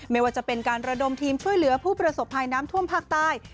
ไม่ว่าจะเป็นการระดมทีมช่วยเหลือผู้ประสบภัยน้ำท่วมภาคใต้